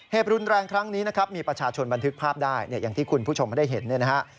รุนแรงครั้งนี้นะครับมีประชาชนบันทึกภาพได้เนี่ยอย่างที่คุณผู้ชมได้เห็นเนี่ยนะฮะ